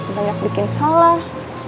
banyak bikin salah